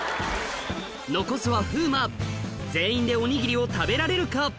残すは風磨全員でおにぎりを食べられるか？